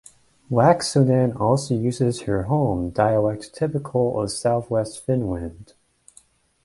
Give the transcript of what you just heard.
Laaksonen also uses her home dialect typical of southwest Finland.